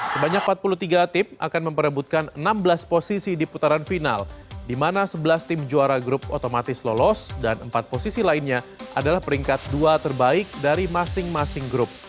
sebanyak empat puluh tiga tim akan memperebutkan enam belas posisi di putaran final di mana sebelas tim juara grup otomatis lolos dan empat posisi lainnya adalah peringkat dua terbaik dari masing masing grup